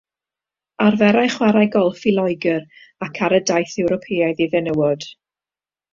Arferai chwarae golff i Loegr ac ar y Daith Ewropeaidd i Fenywod.